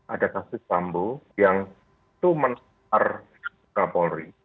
ada kasus tambuh yang itu menakar polri